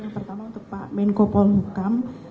pertama untuk pak menko polhukam